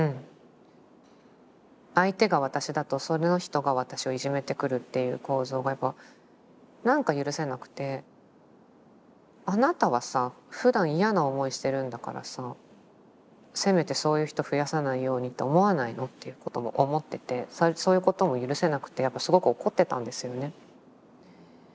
相手が私だとその人が私をいじめてくるっていう構造がやっぱなんか許せなくて「あなたはさふだん嫌な思いしてるんだからさせめてそういう人増やさないようにと思わないの？」っていうことも思っててそういうことも許せなくてやっぱすごく怒ってたんですよね。